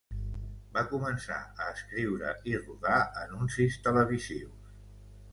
Va començar a escriure i rodar anuncis televisius.